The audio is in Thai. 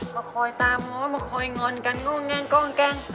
มาคอยตามมาคอยงอนกันง่องแงงก้องแกง